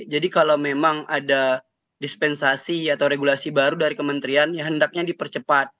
kalau memang ada dispensasi atau regulasi baru dari kementerian ya hendaknya dipercepat